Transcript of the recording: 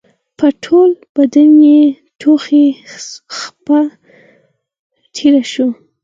په ټول بدن يې د تودوخې څپه تېره شوه.